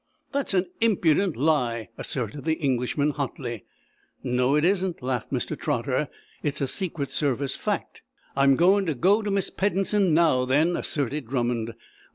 "That's an impudent lie," asserted the Englishman, hotly. "No it isn't," laughed Mr. Trotter. "It's a Secret Service fact." "I'm going to go to Miss Peddensen, now, then," asserted Drummond.